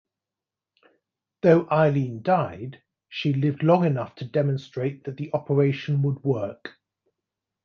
Though Eileen died, she lived long enough to demonstrate that the operation would work.